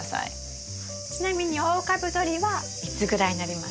ちなみに大株どりはいつぐらいになりますか？